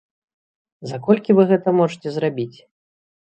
За колькі вы гэта можаце зрабіць?